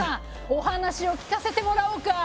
お話を聞かせてもらおうか！